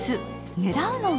狙うのは